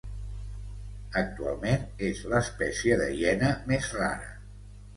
Actualment és l'espècie de hiena més rara.